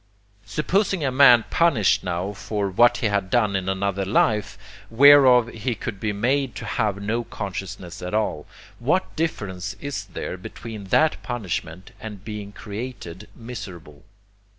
Supposing a man punished now for what he had done in another life, whereof he could be made to have no consciousness at all, what difference is there between that punishment and being created miserable?